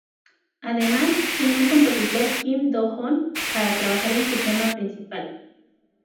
Además, se unió al compositor Kim Do Hoon para trabajar en su tema principal.